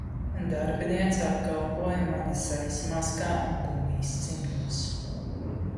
Darbiniece apkalpoja mani sejas maskā un gumijas cimdos.